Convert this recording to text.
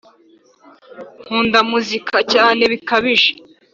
nkunda muziki cyane bikaje